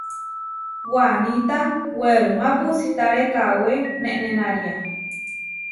Waníta werumá puusítare kawé nenenária.